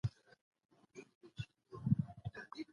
پلار مي وویل چي زده کړه د بریالیتوب کیلي ده.